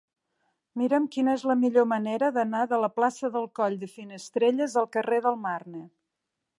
Mira'm quina és la millor manera d'anar de la plaça del Coll de Finestrelles al carrer del Marne.